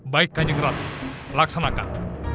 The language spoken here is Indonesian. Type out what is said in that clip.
baik kan jeng ratu laksanakan